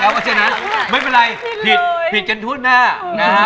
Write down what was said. แล้วก็ฉะนั้นไม่เป็นไรผิดจนทุดหน้า